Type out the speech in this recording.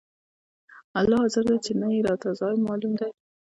الله حاضر دى چې نه يې راته ځاى معلوم دى.